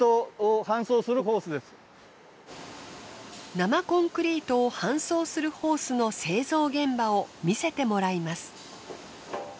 生コンクリートを搬送するホースの製造現場を見せてもらいます。